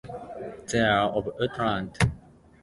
There are of woodland.